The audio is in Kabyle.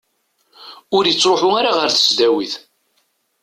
Ur ittruḥu ara ɣer tesdawit.